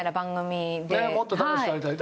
もっと楽しくやりたい。